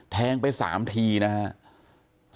แทงไป๓ทีนะครับ